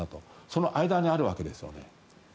その間にあるわけですよね。